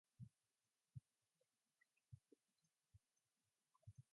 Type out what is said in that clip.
These medications are generally inappropriate for older adults because the risks outweigh the benefits.